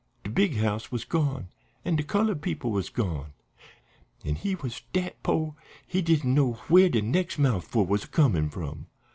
De big house was gone, an' de colored people was gone, an' he was dat po' he didn't know where de nex' moufful was a comin' from.